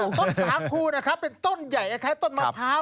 ต้นสาคูนะครับเป็นต้นใหญ่คล้ายต้นมะพร้าว